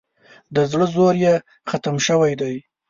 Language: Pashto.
د زړه زور یې ختم شوی دی.